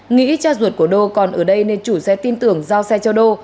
nghĩ cha ruột của đô còn ở đây nên chủ xe tin tưởng giao xe cho đô